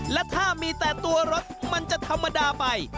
และถ้ามีแต่ตัวรถมันจะธรรมดาไป